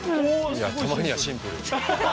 いやたまにはシンプルに。